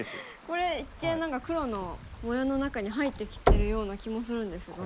これ一見何か黒の模様の中に入ってきてるような気もするんですが。